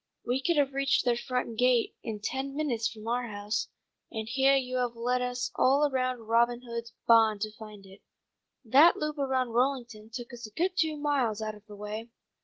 We could have reached their front gate in ten minutes from our house, and heah you have led us all around Robin Hood's bahn to find it. That loop around Rollington took us a good two miles out of the way."